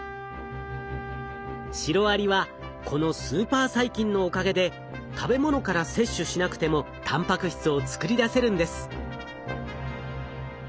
シロアリはこのスーパー細菌のおかげで食べ物から摂取しなくてもたんぱく質を作り出せるんです。